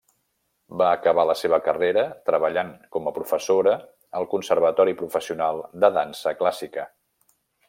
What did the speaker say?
Va acabar la seva carrera treballant com a professora al Conservatori Professional de Dansa Clàssica.